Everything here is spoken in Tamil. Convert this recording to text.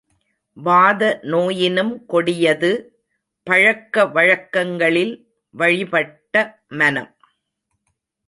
வாத நோயினும் கொடியது, பழக்க வழக்கங்களில் வழிபட்ட மனம்.